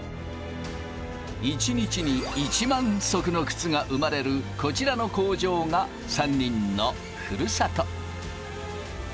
１日に１万足の靴が生まれるこちらの工場が３人のふるさと。